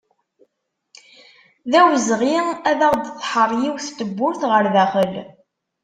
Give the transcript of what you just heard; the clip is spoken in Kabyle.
D awezɣi ad aɣ-d-tḥerr yiwet tewwurt ɣer daxel.